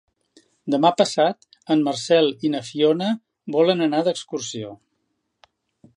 Demà passat en Marcel i na Fiona volen anar d'excursió.